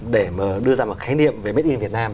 để mà đưa ra một khái niệm về made in việt nam